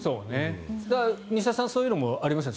だから西出さんそういうのもありますよね